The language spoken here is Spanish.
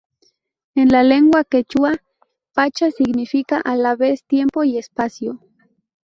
En lengua quechua, "pacha" significa a la vez 'tiempo y espacio'.